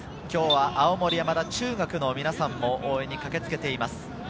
今日は青森山田中学の皆さんも応援に駆けつけています。